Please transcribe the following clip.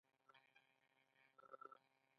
سفينه په چوتره کې وه.